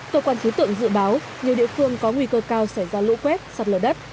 tổ quản chí tượng dự báo nhiều địa phương có nguy cơ cao xảy ra lũ quét sạt lở đất